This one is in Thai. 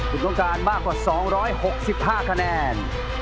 คุณต้องการมากกว่า๒๖๕คะแนน